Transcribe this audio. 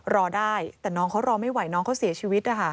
รอได้แต่น้องเขารอไม่ไหวน้องเขาเสียชีวิตนะคะ